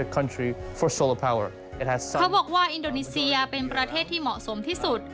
เขาบอกว่าอินโดนีเซียเป็นประเทศที่เหมาะสมที่สุด